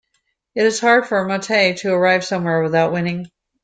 It is hard for Montali to arrive somewhere without winning.